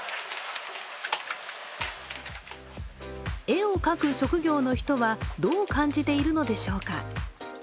絵を描く職業の人は、どう感じているのでしょうか。